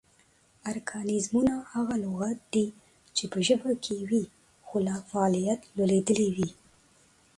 ارکانیزمونه: هغه لغات دي چې پۀ ژبه کې وي خو لۀ فعالیت لویدلي وي